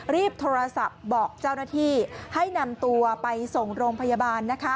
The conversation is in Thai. รีบโทรศัพท์บอกเจ้าหน้าที่ให้นำตัวไปส่งโรงพยาบาลนะคะ